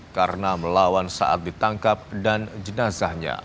karena melawan saat ditangkap dan jenazahnya